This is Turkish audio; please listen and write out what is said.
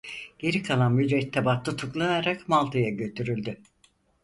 Geri kalan mürettebat tutuklanarak Malta'ya götürüldü.